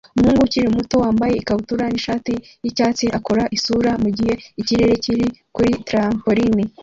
Umuhungu ukiri muto wambaye ikabutura nishati yicyatsi akora isura mugihe ikirere kiri kuri trampoline